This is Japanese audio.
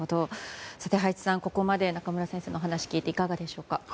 葉一さん、ここまで中村先生のお話を聞いていかがですか？